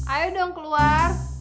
ayo dong keluar